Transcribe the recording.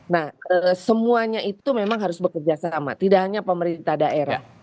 nah semuanya itu memang harus bekerja sama tidak hanya pemerintah daerah